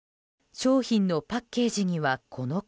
商品のパッケージにはこの顔。